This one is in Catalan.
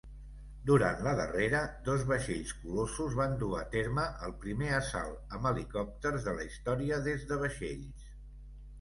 Durant la darrera, dos vaixells colossos van dur a terme el primer assalt amb helicòpters de la història des de vaixells.